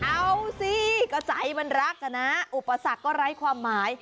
เอาสิก็ใจมันรักอะนะอุปสรรคก็ไร้ความหมาย